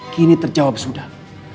kini terjawab sudah